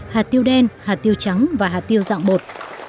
hạt tiêu đen hạt tiêu trắng và hạt tiêu dạng bột